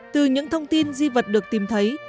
từ những thông tin di vật được tìm thấy